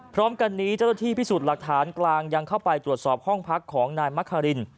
พร้อมกันนี้เจ้าหน้าที่พิสูจน์หลักฐานกลางยังเข้าไปตรวจสอบห้องพักของนายมะคาริน